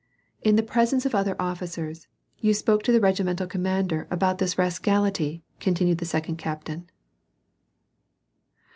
" In the presence of other officers, you spoke to the regi mental commander about this rascality, continued the second captain.